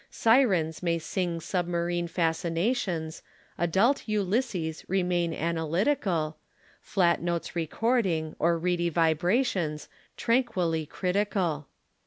Syrens may sing submarine fascinations, Adult Ulysses remain analytical, Flat notes recording, or reedy vibrations, Tranquilly critical.